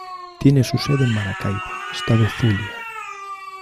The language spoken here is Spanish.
Tiene su sede en Maracaibo, estado Zulia.